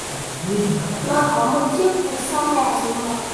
Nơi có một chiếc vực sau nhà rồi hỏi